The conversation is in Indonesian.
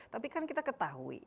tapi kan kita ketahui